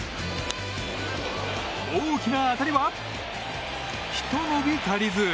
大きな当たりはひと伸び足りず。